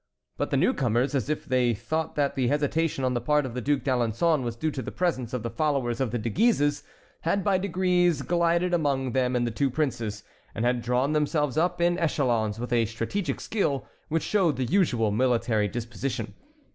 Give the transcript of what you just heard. But the newcomers, as if they thought that the hesitation on the part of the Duc d'Alençon was due to the presence of the followers of the De Guises, had by degrees glided among them and the two princes, and had drawn themselves up in echelons with a strategic skill which showed the usual military disposition.